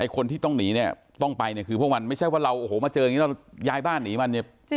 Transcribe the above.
คนที่ต้องหนีเนี่ยต้องไปคือพวกมันไม่ใช่ว่าเราโหมาเจอยายบ้านหนีมัน